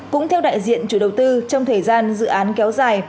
cũng theo đại diện chủ đầu tư trong thời gian dự án kéo dài